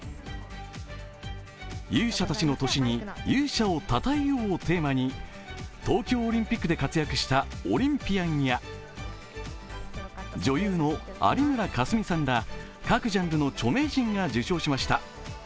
「勇者たちの年に、勇者を讃えよう」をテーマに東京オリンピックで活躍したオリンピアンや女優の有村架純さんら各ジャンルの著名人が受賞しました。